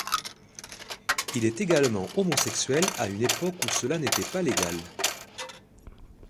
Il est également homosexuel à une époque où cela n'était pas légal.